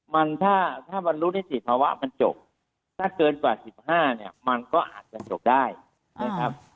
มันถ้าบรรลุนิติภาวะมันจบถ้าเกินกว่า๑๕เนี่ยมันก็อาจจะจบได้นะครับ